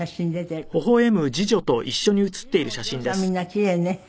みんな奇麗ね。